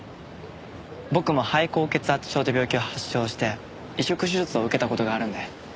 僕も肺高血圧症って病気を発症して移植手術を受けた事があるんで。